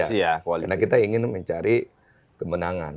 karena kita ingin mencari kemenangan